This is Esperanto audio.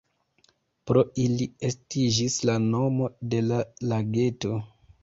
Pro ili estiĝis la nomo de la lageto.